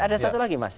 ada satu lagi mas